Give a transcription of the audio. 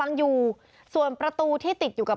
ครับ